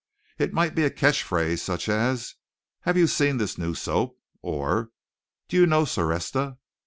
It might be a catch phrase such as "Have You Seen This New Soap?" or "Do You Know Soresda?